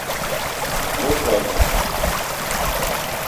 Mot var gaxenu?